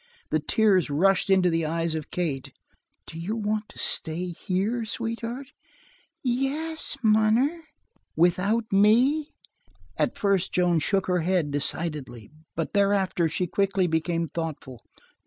The tears rushed into the eyes of Kate. "Do you want to stay here, sweetheart?" "Yes, munner." "Without me?" At first Joan shook her head decidedly, but thereafter she quickly became thoughtful.